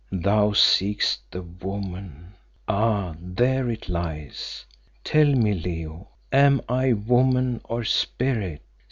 "Thou seekest the woman. Ah! there it lies. Tell me, Leo, am I woman or spirit?